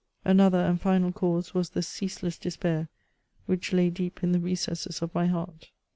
Another and final cause was the ceaseless despair which lay deep in the recesses of my heart.